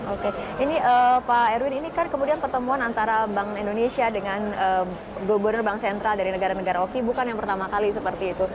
oke ini pak erwin ini kan kemudian pertemuan antara bank indonesia dengan gubernur bank sentral dari negara negara oki bukan yang pertama kali seperti itu